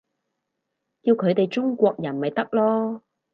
叫佢哋中國人咪得囉